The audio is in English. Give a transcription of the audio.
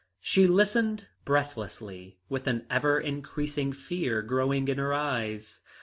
She listened breathlessly with an ever increasing fear growing in her eyes.